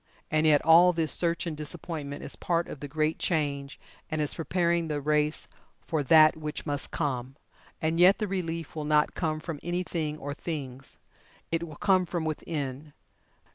And yet all this search and disappointment is part of the Great Change, and is preparing the race for That which must Come. And yet the relief will not come from any Thing or Things. It will come from Within.